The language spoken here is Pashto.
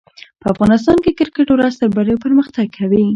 په افغانستان کښي کرکټ ورځ تر بلي پرمختګ کوي.